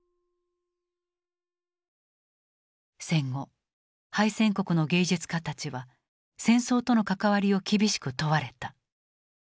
戦後敗戦国の芸術家たちは戦争との関わりを厳しく問われた。